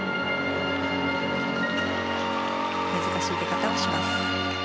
難しい出方をします。